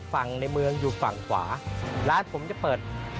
ไสมัยนี่มันจะช้าไม่ได้เลยเพราะช้าเสียทั้งที